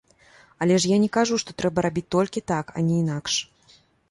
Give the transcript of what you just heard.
Але ж я не кажу, што трэба рабіць толькі так, а не інакш!